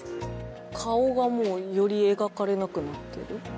顔がより描かれなくなってる？